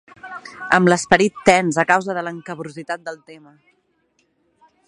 Amb l'esperit tens a causa de l'escabrositat del tema.